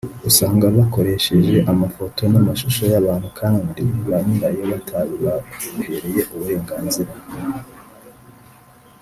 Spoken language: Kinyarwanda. usanga bakoresheje amafoto n’amashusho y’abantu kandi ba nyirabyo batabibahereye uburenganzira